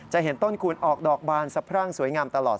เห็นต้นคูณออกดอกบานสะพรั่งสวยงามตลอด